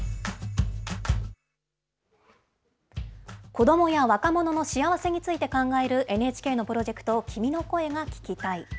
子どもや若者の幸せについて考えるＮＨＫのプロジェクト、君の声が聴きたい。